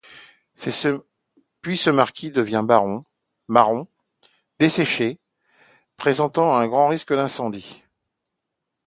Puis ce maquis devient marron, desséché, présentant un grand risque d'incendie.